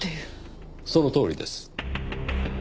そのとおりです。